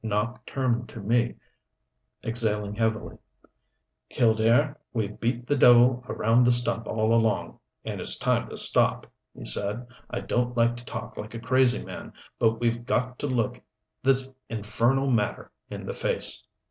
Nopp turned to me, exhaling heavily. "Killdare, we've beat the devil around the stump all along and it's time to stop," he said. "I don't like to talk like a crazy man, but we've got to look this infernal matter in the face.